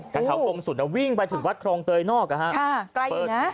การเขากรมศุนย์วิ่งไปถึงวัดครองเตยนอกค่ะไกลนะ